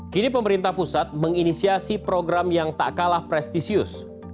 kini pemerintah pusat menginisiasi program yang tak kalah prestisius